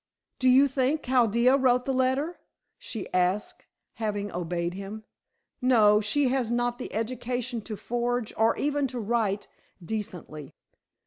"Do you think Chaldea wrote the letter?" she asked, having obeyed him. "No. She has not the education to forge, or even to write decently."